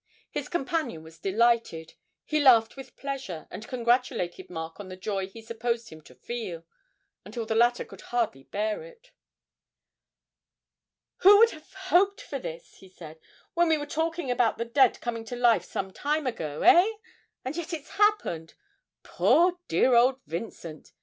His companion was delighted, he laughed with pleasure, and congratulated Mark on the joy he supposed him to feel, until the latter could hardly bear it. 'Who would have hoped for this,' he said, 'when we were talking about the dead coming to life some time ago, eh? and yet it's happened poor, dear old Vincent!